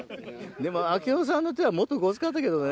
でも明雄さんの手はもっとごつかったけどね。